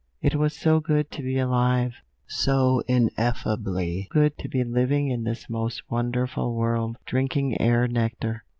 It was so good to be alive; so ineffably good to be living in this most wonderful world, drinking air nectar.